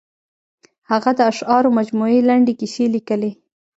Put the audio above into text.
هغه د اشعارو مجموعې، لنډې کیسې لیکلي.